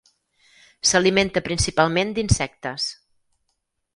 S'alimenta principalment d'insectes.